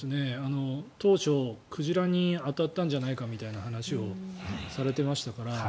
当初、鯨に当たったんじゃないかみたいな話をされてましたから。